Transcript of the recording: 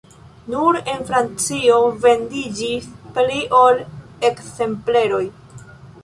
Nur en Francio vendiĝis pli ol ekzempleroj.